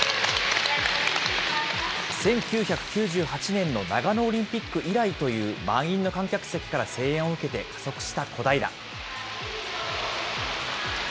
１９９８年の長野オリンピック以来という満員の観客席から声援を受けて加速した小平。